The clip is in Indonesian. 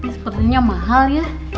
sepertinya mahal ya